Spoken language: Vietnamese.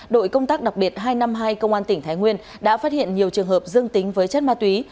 đội công tác đặc biệt hai trăm năm mươi hai công an tỉnh thái nguyên đã phát hiện nhiều trường hợp dương tính với chất ma túy